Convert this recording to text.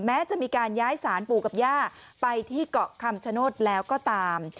แม้จะมีการย้ายสารปู่กับย่าไปที่เกาะคำชโนธแล้วก็ตาม